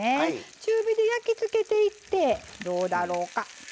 中火で焼きつけていってどうだろうか。